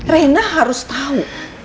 rena harus tahu